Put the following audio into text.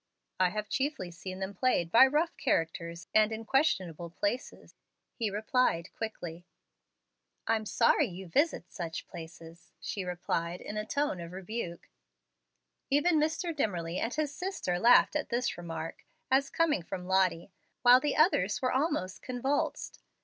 "I have chiefly seen them played by rough characters, and in questionable places," he replied quickly. "I'm sorry you visit such places," she replied in a tone of rebuke. Even Mr. Dimmerly and his sister laughed at this remark, as coming from Lottie, while the others were almost convulsed.